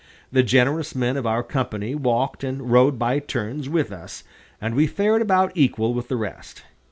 The generous men of our company walked and rode by turns with us, and we fared about equal with the rest.